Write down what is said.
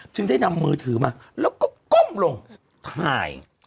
จึงได้นำมือถือมาแล้วก็ก้มลงถ่าย